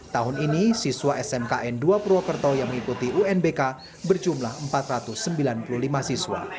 tahun ini siswa smkn dua purwokerto yang mengikuti unbk berjumlah empat ratus sembilan puluh lima siswa